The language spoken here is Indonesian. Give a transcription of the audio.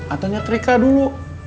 atau nyetrika dulu